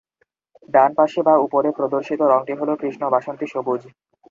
ডানপাশে বা উপরে প্রদর্শিত রঙটি হলো কৃষ্ণ বাসন্তী সবুজ।